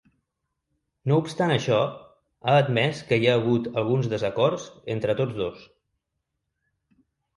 No obstant això, ha admès que hi ha hagut “alguns desacords” entre tots dos.